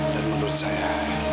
dan menurut saya